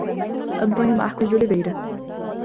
Antônio Marcos de Oliveira